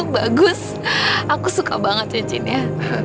bagus aku suka banget cincinnya